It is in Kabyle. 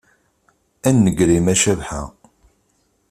A nnger-im, a Cabḥa!